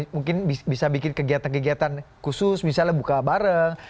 mungkin bisa bikin kegiatan kegiatan khusus misalnya buka bareng